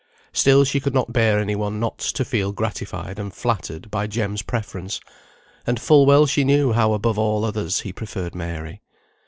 Still she could not bear any one not to feel gratified and flattered by Jem's preference, and full well she knew how above all others he preferred Mary.